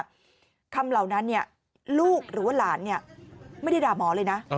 คำเหล่านั้นลูกหรือว่าหลานไม่ได้ด่าหมอเลยนะ